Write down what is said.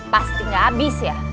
pasti gak abis ya